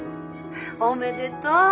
おめでとう。